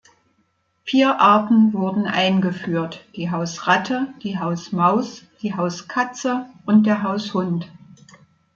Vier Arten wurden eingeführt: die Hausratte, die Hausmaus, die Hauskatze und der Haushund.